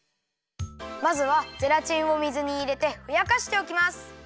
まずはゼラチンを水にいれてふやかしておきます。